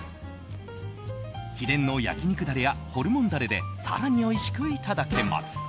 秘伝の焼き肉ダレやホルモンダレで更においしくいただけます。